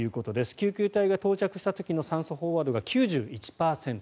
救急隊が到着した時の酸素飽和度が９１％。